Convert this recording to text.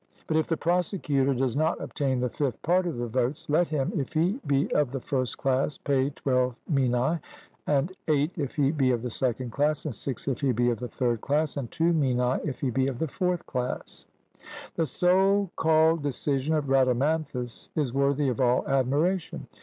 But if the prosecutor do not obtain the fifth part of the votes, let him, if he be of the first class, pay twelve minae, and eight if he be of the second class, and six if he be of the third class, and two minae if he be of the fourth class. The so called decision of Rhadamanthus is worthy of all admiration.